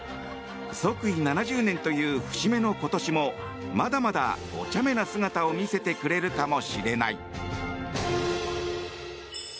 即位７０年という節目の今年もまだまだ、おちゃめな姿を見せてくれるかもしれない。